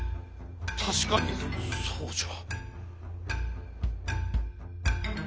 確かにそうじゃ。